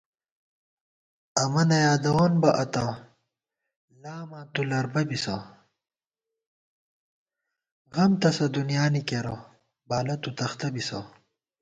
امہ نہ یادَوون بہ اتہ ، لاماں تُو لربہ بِسہ * غم تسہ دُنیانی کېرہ بالہ تُو تختہ بِسہ